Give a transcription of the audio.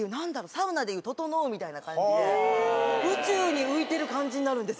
サウナでいうととのうみたいな感じで宇宙に浮いてる感じになるんです。